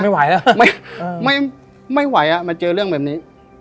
ไม่ไหวแล้วไม่ไหวมาเจอเรื่องแบบนี้